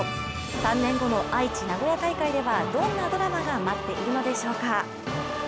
３年後の愛知・名古屋大会ではどんなドラマが待っているのでしょうか。